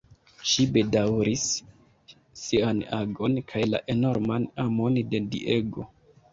Ŝi bedaŭris sian agon kaj la enorman amon de Diego.